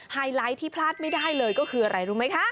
ไฮไลท์ที่พลาดไม่ได้เลยก็คืออะไรรู้ไหมคะ